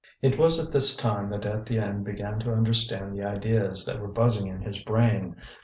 It was at this time that Étienne began to understand the ideas that were buzzing in his brain.